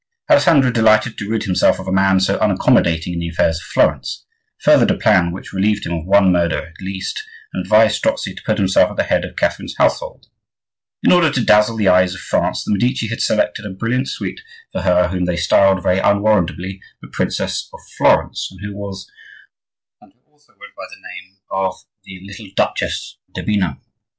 Alessandro, delighted to rid himself of a man so unaccommodating in the affairs of Florence, furthered a plan which relieved him of one murder at least, and advised Strozzi to put himself at the head of Catherine's household. In order to dazzle the eyes of France the Medici had selected a brilliant suite for her whom they styled, very unwarrantably, the Princess of Florence, and who also went by the name of the little Duchess d'Urbino.